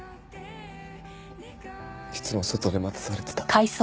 いつも外で待たされてた。